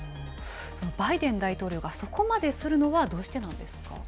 バイデン大統領がそこまでするのは、どうしてなんですか。